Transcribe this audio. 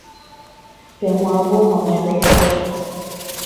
پێم وابوو هەمووان دڵخۆشن.